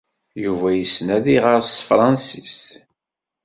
Yuba yessen ad iɣer s tefṛensist.